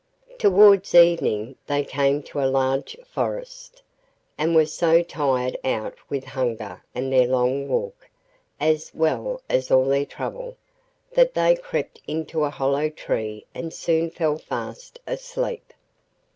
Towards evening they came to a large forest, and were so tired out with hunger and their long walk, as well as all their trouble, that they crept into a hollow tree and soon fell fast asleep.